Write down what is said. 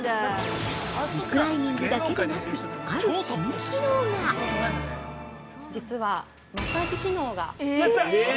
◆リクライニングだけでなくある新機能が◆実は、マッサージ機能が。